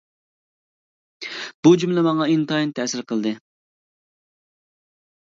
بۇ جۈملە ماڭا ئىنتايىن تەسىر قىلدى.